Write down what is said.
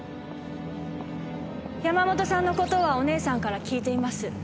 山本さんの事はお義姉さんから聞いています。